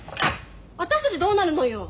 私たちどうなるのよ？